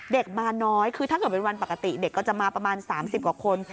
เด็กมาน้อยคือถ้าเกิดเป็นวันปกติเด็กก็จะมาประมาณ๓๐กว่าคน